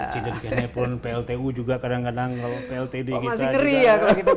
siderikannya pun pltu juga kadang kadang kalau kita bicara